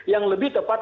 yang lebih tepat